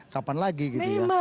kapan lagi gitu ya